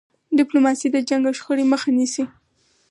ډيپلوماسي د جنګ او شخړې مخه نیسي.